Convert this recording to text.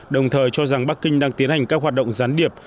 đồng thời cho rằng bắc kinh đang tiến hành các hoạt động gián điệp